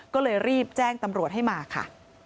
ก็เลยรีบแจ้งตำรวจให้มาค่ะ